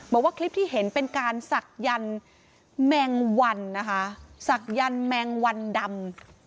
บอกว่าคลิปที่เห็นเป็นการศักยันต์แมงวันนะคะศักยันต์แมงวันดำ